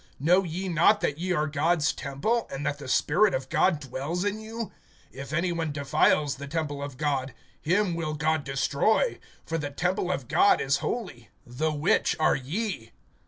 (16)Know ye not that ye are God's temple, and that the Spirit of God dwells in you? (17)If any one defiles[3:17] the temple of God, him will God destroy; for the temple of God is holy, the which are ye.